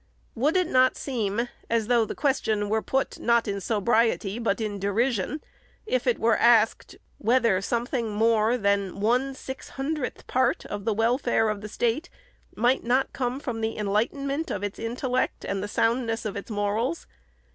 Would it not seem, as though the question were put, not in sobriety, but in derision, if it were asked, whether something more than one six hundredth part of the wel fare of the State might not come from the enlightenment of its intellect and the soundness of its morals